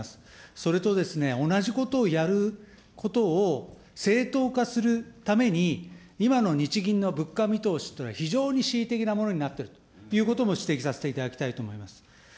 それと、同じことをやることを正当化するために、今の日銀の物価見通しっていうのは、非常に恣意的なものになっているということを指摘させていただきたいと思います。